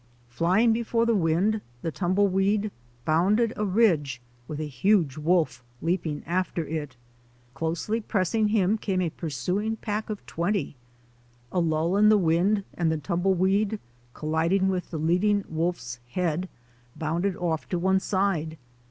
Flying before the wind, the tumble weed bounded a ridge with a huge wolf leaping after it. Closely pressing him came a pursuing pack of twenty. A lull in the wind and the tum bleweed, colliding with the leading wolfs head, 201 202 THE ADVENTURES OF A NATURE GUIDE bounded off to one side.